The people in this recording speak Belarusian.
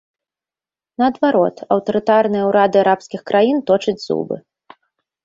Наадварот, аўтарытарныя ўрады арабскіх краін точаць зубы.